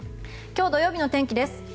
今日、土曜日の天気です。